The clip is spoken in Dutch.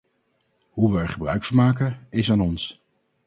Hoe we er gebruik van maken, is aan ons.